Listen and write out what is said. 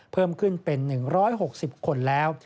เพิ่มขึ้นเป็น๑๖๐คนแล้ว